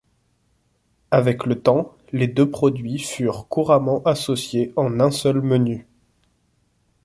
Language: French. Avec le temps, les deux produits furent couramment associés en un seul menu.